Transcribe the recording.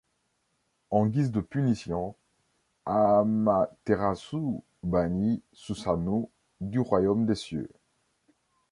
En guise de punition, Amaterasu bannit Susanoo du royaume des cieux.